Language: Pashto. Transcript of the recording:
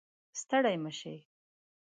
ستړی مشې